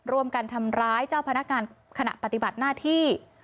ร่วมกันทำร้ายเจ้าพนักงานขณะปฏิบัติหน้าที่